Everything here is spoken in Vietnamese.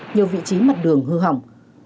nhiều vị trí mặt đường hư hỏng